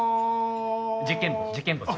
『事件簿』『事件簿』です。